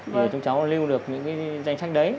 rồi chúng cháu lưu được những cái danh sách đấy